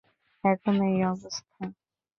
এখন এই অবস্থা।